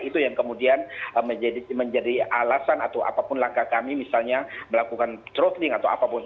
itu yang kemudian menjadi alasan atau apapun langkah kami misalnya melakukan throunding atau apapun